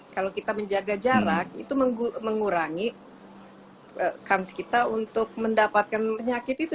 kalau kita menjaga jarak itu mengurangi kans kita untuk mendapatkan penyakit itu